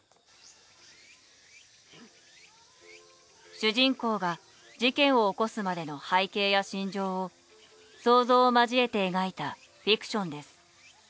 主人公が事件を起こすまでの背景や心情を想像を交えて描いたフィクションです。